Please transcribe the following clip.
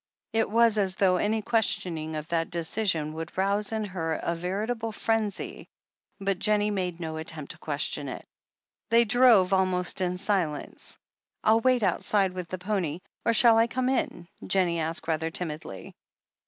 It was as though any questioning of that decision would rouse in her a veritable frenzy, but Jennie made no attempt to question it. They drove almost in silence. "I'll wait outside with the pony. Or shall I come in?" Jennie asked rather timidly.